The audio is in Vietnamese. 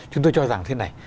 chúng tôi cho rằng thế này